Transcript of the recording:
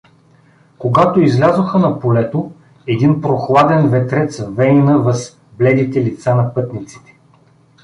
Когато излязоха на полето, един прохладен ветрец вейна въз бледите лица на пътниците.